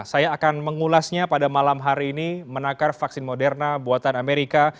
saya akan mengulasnya pada malam hari ini menakar vaksin moderna buatan amerika